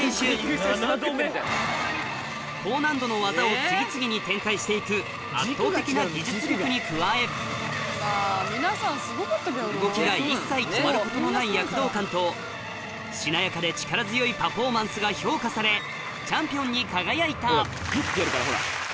高難度の技を次々に展開して行く圧倒的な技術力に加え動きが一切止まることのない躍動感としなやかで力強いパフォーマンスが評価されチャンピオンに輝いたピッてやるからほら。